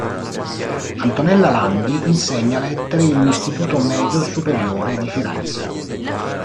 Antonella Landi insegna Lettere in un istituto medio-superiore di Firenze.